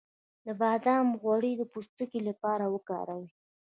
د بادام غوړي د پوستکي لپاره وکاروئ